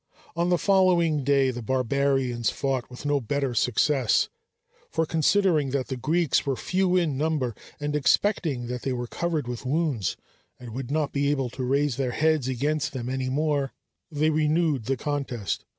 On the following day the barbarians fought with no better success; for considering that the Greeks were few in number, and expecting that they were covered with wounds and would not be able to raise their heads against them any more, they renewed the contest.